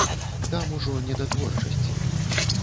Там ужо не да творчасці.